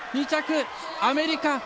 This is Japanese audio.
２着、アメリカ！